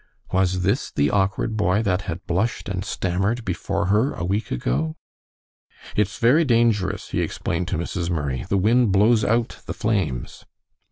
Was this the awkward boy that had blushed and stammered before her a week ago? "It's very dangerous," he explained to Mrs. Murray, "the wind blows out the flames."